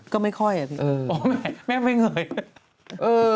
ก็ไม่ค่อยอะพี่